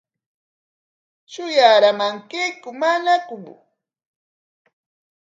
¿Shuyaraamankiku manaku?